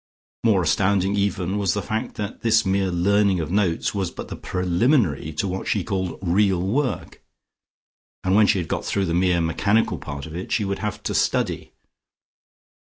More astounding even was the fact that this mere learning of notes was but the preliminary to what she called "real work." And when she had got through the mere mechanical part of it, she would have to study.